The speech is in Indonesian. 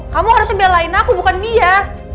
kamu harusnya belain aku bukan mia